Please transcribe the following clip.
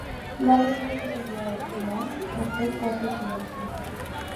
La avenida de los "Beaux-Monts" posee cuatro km.